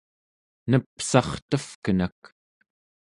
nepsartevkenak